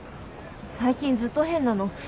最近ずっと変なの。